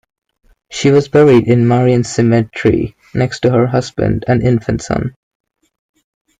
She was buried in Marion Cemetery, next to her husband and infant son.